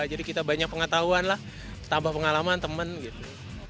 jadi kita banyak pengetahuan lah tambah pengalaman teman gitu